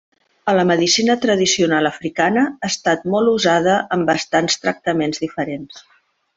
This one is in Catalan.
A la medicina tradicional africana, ha estat molt usada en bastants tractaments diferents.